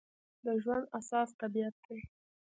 د ژوند اساس طبیعت دی.